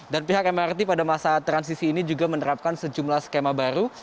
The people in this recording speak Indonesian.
dan pihak mrt pada masa transisi ini juga menerapkan sejumlah skema baru